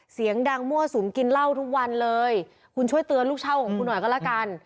เสียงดังมั่วสุมกินเหล้าทุกวันเลยคุณช่วยเตือนลูกเช่าของคุณหน่อยก็แล้วกัน